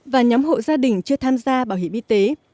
và nhóm hộ gia đình chưa tham gia bảo hiểm y tế